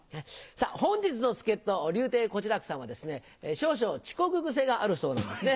本日の助っ人柳亭小痴楽さんはですね少々遅刻癖があるそうなんですね。